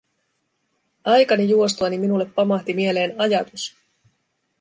Aikani juostuani minulle pamahti mieleen ajatus: